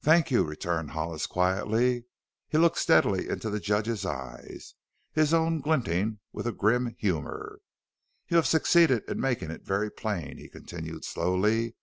"Thank you," returned Hollis quietly. He looked steadily into the judge's eyes, his own glinting with a grim humor. "You have succeeded in making it very plain," he continued slowly.